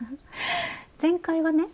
前回はね